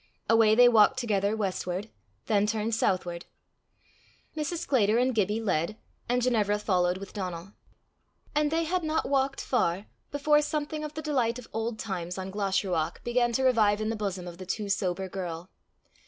Away they walked together westward, then turned southward. Mrs. Sclater and Gibbie led, and Ginevra followed with Donal. And they had not walked far, before something of the delight of old times on Glashruach began to revive in the bosom of the too sober girl.